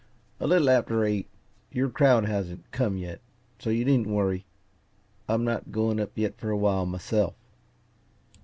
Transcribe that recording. "A little after eight. YOUR crowd hasn't, come yet, so you needn't worry. I'm not going up yet for a while, myself."